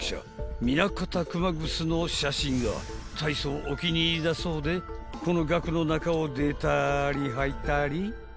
南方熊楠の写真が大層お気に入りだそうでこの額の中を出たり入ったり］